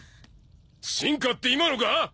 進化って今のか？